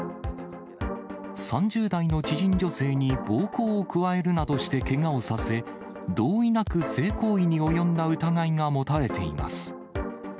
３０代の知人女性に暴行を加えるなどしてけがをさせ、同意なく性行為に及んだ疑いが持たれています。